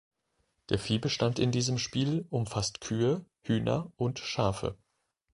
Der Viehbestand in diesem Spiel umfasst Kühe, Hühner und Schafe.